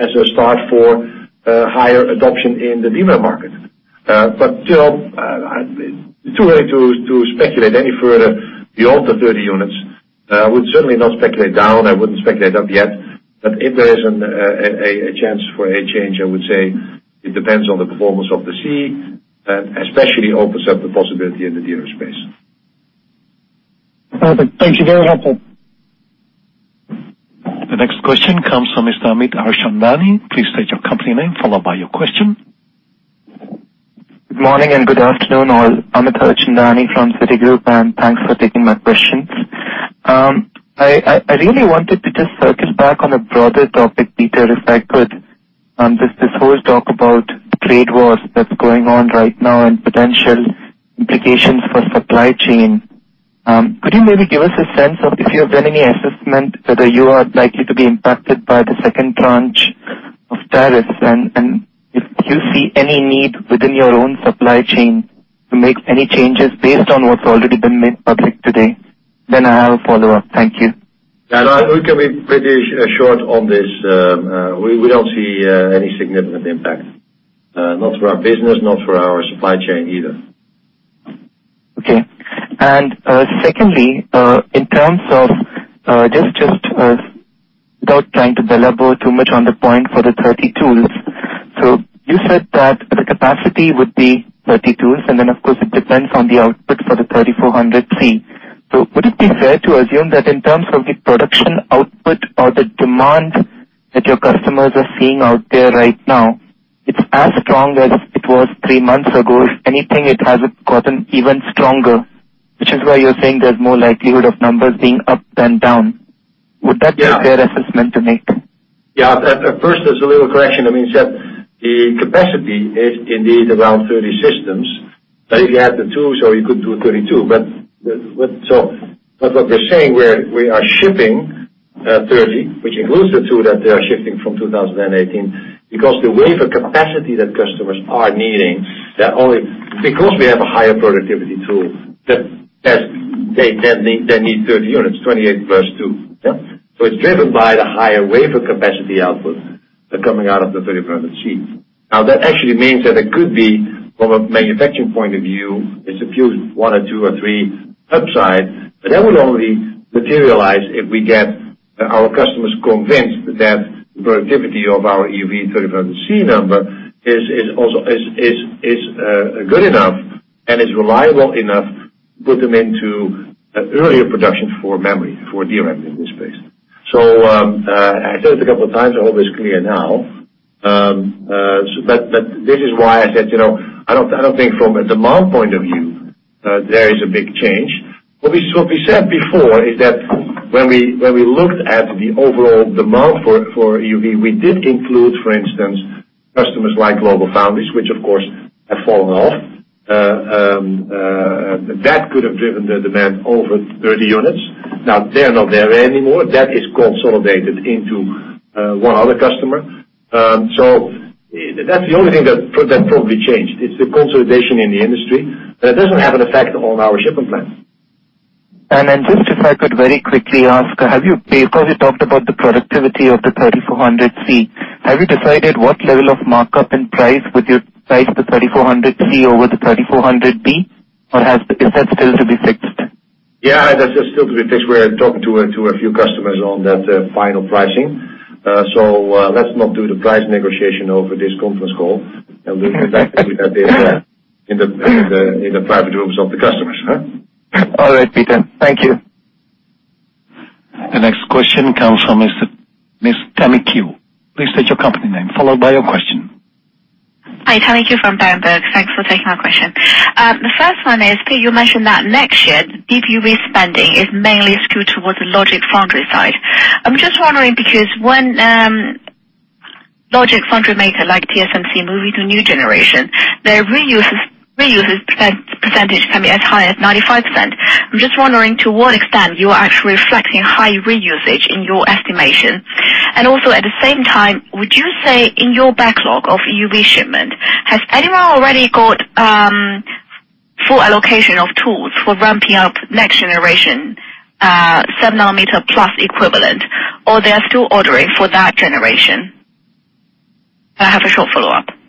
as a start for higher adoption in the DRAM market. Still, too early to speculate any further beyond the 30 units. Would certainly not speculate down. I wouldn't speculate up yet. If there is a chance for a change, I would say it depends on the performance of the C. Especially opens up the possibility in the DRAM space. Perfect. Thank you. Very helpful. The next question comes from Mr. Amit Daryanani. Please state your company name, followed by your question. Good morning and good afternoon all. Amit Daryanani from Citigroup, thanks for taking my questions. I really wanted to just circle back on a broader topic, Peter, if I could, on just this whole talk about trade wars that's going on right now and potential implications for supply chain. Could you maybe give us a sense of if you have done any assessment whether you are likely to be impacted by the second tranche of tariffs, and if you see any need within your own supply chain to make any changes based on what's already been made public today? I have a follow-up. Thank you. Yeah. No, we can be pretty short on this. We don't see any significant impact. Not for our business, not for our supply chain either. Okay. Secondly, in terms of, just without trying to belabor too much on the point for the 30 tools. You said that the capacity would be 30 tools, and then of course it depends on the output for the 3400-C. Would it be fair to assume that in terms of the production output or the demand that your customers are seeing out there right now, it's as strong as it was three months ago? If anything, it has gotten even stronger, which is why you're saying there's more likelihood of numbers being up than down. Would that- Yeah. -be a fair assessment to make? Yeah. First, there's a little correction. Amit said the capacity is indeed around 30 systems, but if you add the tools or you could do 32. What we're saying, we are shipping 30, which includes the two that they are shipping from 2018, because the wafer capacity that customers are needing, because we have a higher productivity tool, they need 30 units, 28 plus two. Yeah. It's driven by the higher wafer capacity output coming out of the 3000-C. That actually means that it could be, from a manufacturing point of view, it's a few, one or two or three upside, but that would only materialize if we get our customers convinced that the productivity of our EUV 3000-C number is good enough and is reliable enough to put them into earlier production for memory, for DRAM in this case. I said it a couple of times, I hope it's clear now. This is why I said, I don't think from a demand point of view, there is a big change. What we said before is that when we looked at the overall demand for EUV, we did include, for instance, customers like GlobalFoundries, which of course have fallen off. That could have driven the demand over 30 units. They're not there anymore. That is consolidated into one other customer. That's the only thing that probably changed, is the consolidation in the industry. It doesn't have an effect on our shipment plans. Just if I could very quickly ask, because you talked about the productivity of the 3400-C, have you decided what level of markup in price would you price the 3400-C over the 3400-B? Or is that still to be fixed? That's still to be fixed. We're talking to a few customers on that final pricing. Let's not do the price negotiation over this conference call. Leave that in the private rooms of the customers. Peter. Thank you. The next question comes from Ms. Tammy Qiu. Please state your company name, followed by your question. Hi, Tammy Qiu from Berenberg. Thanks for taking my question. The first one is, Peter, you mentioned that next year, DUV spending is mainly skewed towards the logic foundry side. I'm just wondering because when logic foundry maker like TSMC move into new generation, their reuse percentage can be as high as 95%. I'm just wondering to what extent you are actually reflecting high reusage in your estimation. At the same time, would you say in your backlog of EUV shipment, has anyone already got full allocation of tools for ramping up next generation, seven nanometer plus equivalent? They are still ordering for that generation? I have a short follow-up. I think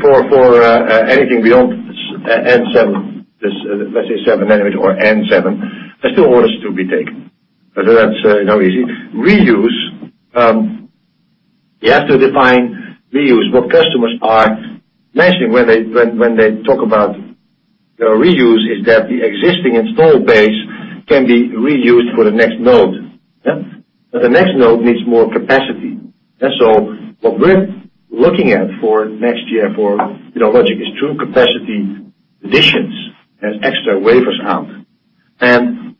for anything beyond N7, let's say seven nanometer or N7, there's still orders to be taken. That's no easy. Reuse, you have to define reuse. What customers are mentioning when they talk about reuse is that the existing installed base can be reused for the next node. Yeah. The next node needs more capacity. What we're looking at for next year for logic is true capacity additions as extra wafers out. When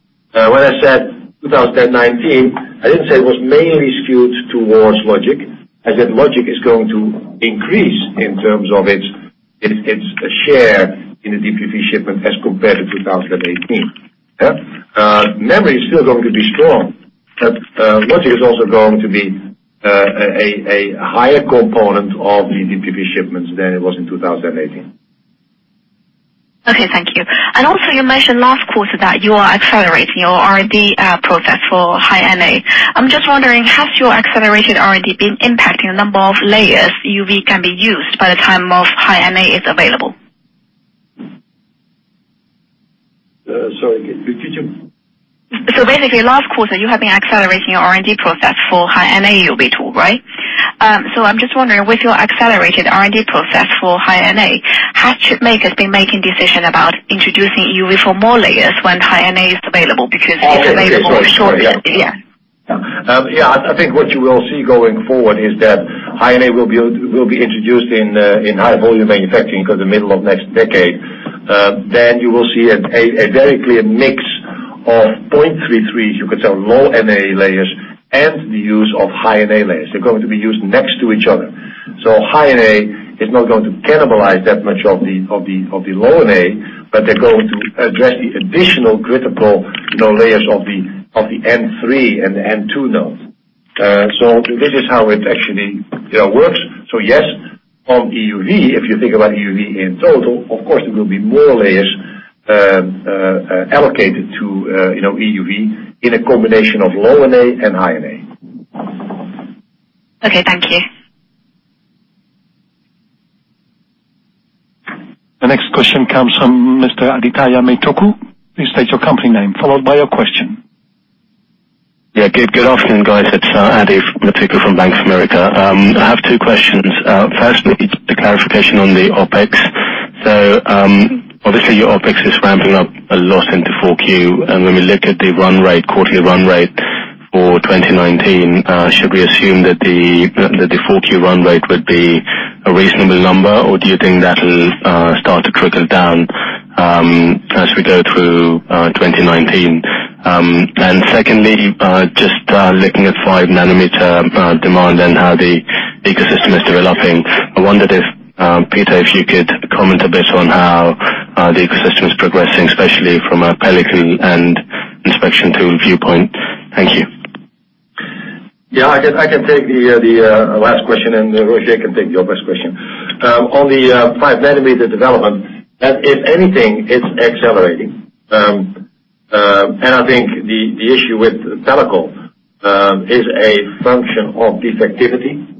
I said 2019, I didn't say it was mainly skewed towards logic. I said logic is going to increase in terms of its share in the DUV shipment as compared to 2018. Yeah. Memory is still going to be strong, logic is also going to be a higher component of the DUV shipments than it was in 2018. Okay, thank you. You mentioned last quarter that you are accelerating your R&D process for High-NA. I'm just wondering, has your accelerated R&D been impacting the number of layers EUV can be used by the time most High-NA is available? Sorry, could you repeat? Basically last quarter, you have been accelerating your R&D process for High-NA EUV tool, right? I'm just wondering, with your accelerated R&D process for High-NA, has chip makers been making decision about introducing EUV for more layers when High-NA is available? Because it's available shortly. Yeah. I think what you will see going forward is that High-NA will be introduced in high volume manufacturing, kind of the middle of next decade. You will see a very clear mix of 0.33, you could say low-NA layers and the use of High-NA layers. They're going to be used next to each other. High-NA is not going to cannibalize that much of the low-NA, but they're going to address the additional critical layers of the N3 and N2 node. This is how it actually works. Yes, on EUV, if you think about EUV in total, of course, there will be more layers allocated to EUV in a combination of low-NA and High-NA. Okay. Thank you. The next question comes from Mr. Adithya Metuku. Please state your company name, followed by your question. Good afternoon, guys. It's Adi Metuku from Bank of America. I have two questions. First, the clarification on the OpEx. Obviously your OpEx is ramping up a lot into 4Q. When we look at the run rate, quarterly run rate for 2019, should we assume that the 4Q run rate would be a reasonable number, or do you think that'll start to trickle down as we go through 2019? Secondly, just looking at five nanometer demand and how the ecosystem is developing, I wondered if, Peter, if you could comment a bit on how the ecosystem is progressing, especially from a pellicle and inspection tool viewpoint. Thank you. I can take the last question, Roger can take the OpEx question. On the five nanometer development, if anything, it's accelerating. I think the issue with pellicle is a function of defectivity.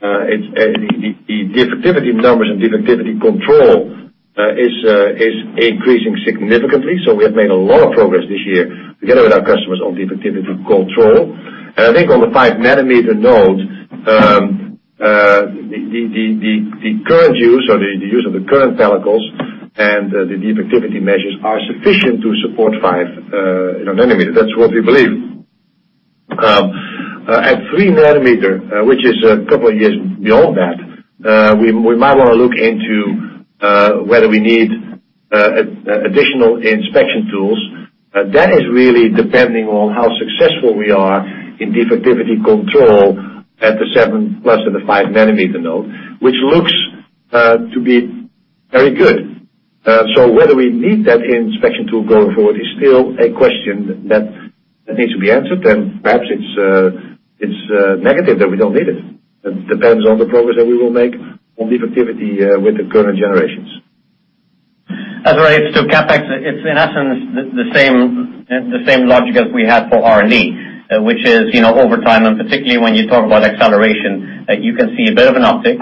The defectivity numbers and defectivity control is increasing significantly. We have made a lot of progress this year together with our customers on defectivity control. I think on the five nanometer node, the current use or the use of the current pellicles and the defectivity measures are sufficient to support five nanometer. That's what we believe. At three nanometer, which is a couple of years beyond that, we might want to look into whether we need additional inspection tools. That is really depending on how successful we are in defectivity control at the seven plus and the five nanometer node, which looks to be very good. Whether we need that inspection tool going forward is still a question that needs to be answered. Perhaps it's negative that we don't need it. It depends on the progress that we will make on defectivity with the current generations. As relates to CapEx, it's in essence the same logic as we had for R&D, which is, over time, particularly when you talk about acceleration, you can see a bit of an uptick,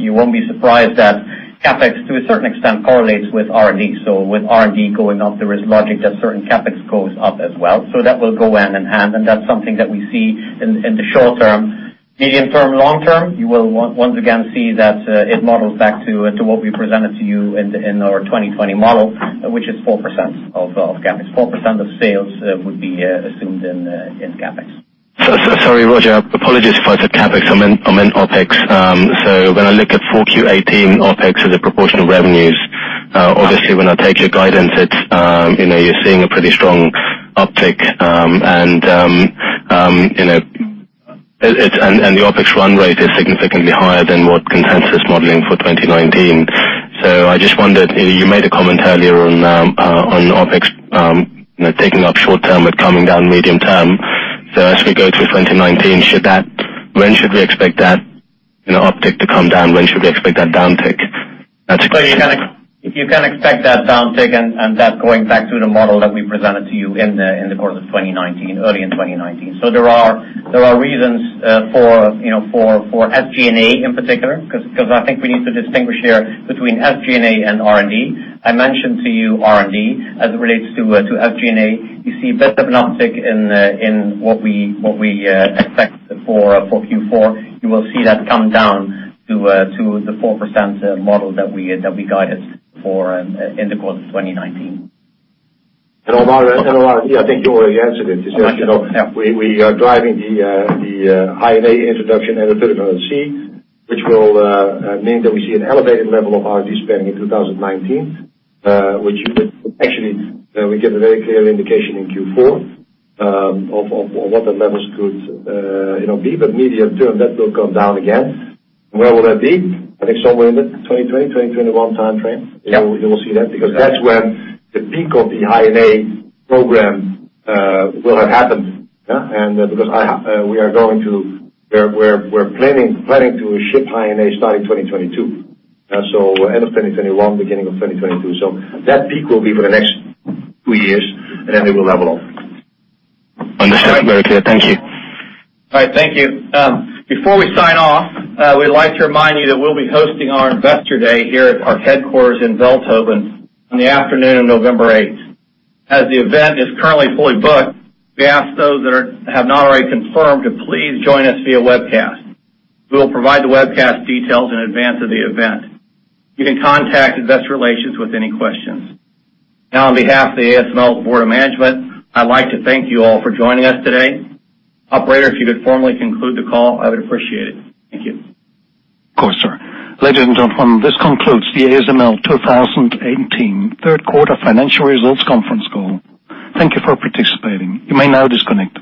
you won't be surprised that CapEx, to a certain extent, correlates with R&D. With R&D going up, there is logic that certain CapEx goes up as well. That will go hand-in-hand, that's something that we see in the short term. Medium-term, long term, you will once again see that it models back to what we presented to you in our 2020 model, which is 4% of CapEx. 4% of sales would be assumed in CapEx. Sorry, Roger, apologies if I said CapEx. I meant OpEx. When I look at Q4 2018 OpEx as a proportion of revenues, obviously when I take your guidance, you are seeing a pretty strong uptick, and the OpEx run rate is significantly higher than what consensus modeling for 2019. I just wondered, you made a comment earlier on OpEx taking up short term but coming down medium term. As we go through 2019, when should we expect that uptick to come down? When should we expect that downtick? You can expect that downtick and that going back to the model that we presented to you in the course of 2019, early in 2019. There are reasons for SG&A in particular, because I think we need to distinguish here between SG&A and R&D. I mentioned to you R&D as it relates to SG&A. You see a bit of an uptick in what we expect for Q4. You will see that come down to the 4% model that we guided for in the course of 2019. On R&D, I think you already answered it. Yes. We are driving the High-NA introduction at the frequency, which will mean that we see an elevated level of R&D spending in 2019. Which actually, we give a very clear indication in Q4 of what the levels could be. Medium-term, that will come down again. Where will that be? I think somewhere in the 2020, 2021 timeframe. Yeah you will see that, because that's when the peak of the High-NA program will have happened. Because we're planning to ship High-NA starting 2022. End of 2021, beginning of 2022. That peak will be for the next two years, and then it will level off. Understood. Very clear. Thank you. All right. Thank you. Before we sign off, we'd like to remind you that we'll be hosting our investor day here at our headquarters in Veldhoven on the afternoon of November 8th. As the event is currently fully booked, we ask those that have not already confirmed to please join us via webcast. We will provide the webcast details in advance of the event. You can contact investor relations with any questions. On behalf of the ASML board of management, I'd like to thank you all for joining us today. Operator, if you could formally conclude the call, I would appreciate it. Thank you. Of course, sir. Ladies and gentlemen, this concludes the ASML 2018 third quarter financial results conference call. Thank you for participating. You may now disconnect.